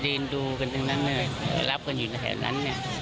เยอะมากเลยแดดเลย